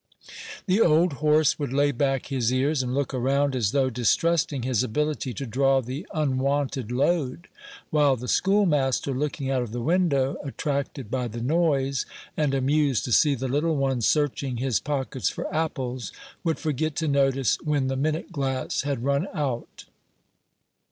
The old horse would lay back his ears, and look around, as though distrusting his ability to draw the unwonted load; while the schoolmaster, looking out of the window, attracted by the noise, and amused to see the little ones searching his pockets for apples, would forget to notice when the minute glass had run out.